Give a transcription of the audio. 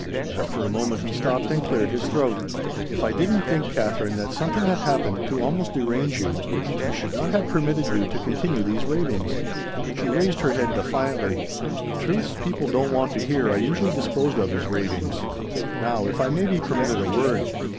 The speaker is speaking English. After a moment he stopped and cleared his throat. "If I didn't think, Katherine, that something had happened to almost derange you, I should not have permitted you to continue these ravings." She raised her head defiantly. "Truths people don't want to hear are usually disposed of as ravings!" "Now if I may be permitted a word.